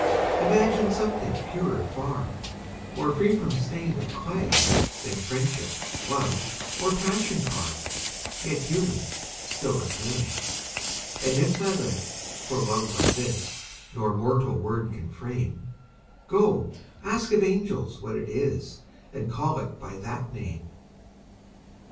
Imagine something purer far, More free from stain of clay Than Friendship, Love, or Passion are, Yet human, still as they: And if thy lip, for love like this, No mortal word can frame, Go, ask of angels what it is, And call it by that name!